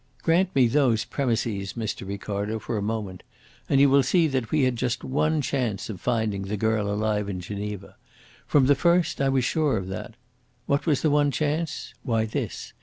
Grant me those premisses, M. Ricardo, for a moment, and you will see that we had just one chance of finding the girl alive in Geneva. From the first I was sure of that. What was the one chance? Why, this!